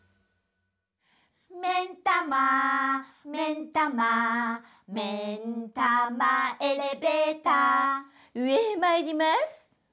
「めんたまめんたま」「めんたまエレベーター」うえへまいりまーす。